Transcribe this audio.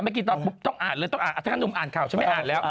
เมื่อกี้ตอนต้องอ่านเลยถ้าหนุ่มอ่านข่าวฉันไม่อ่านแล้ว